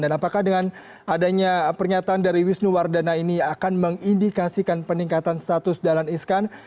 dan apakah dengan adanya pernyataan dari wisnu wardana ini akan mengindikasikan peningkatan status dahlan iskan